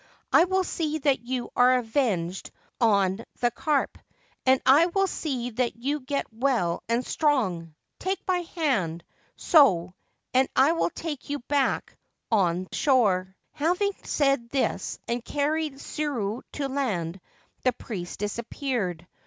I will see that you are avenged o: the carp, and I will see that you get well and strong Take my hand, so, and I will take you back o: shore,' Having said this and carried Tsuru to land, the pries disappeared.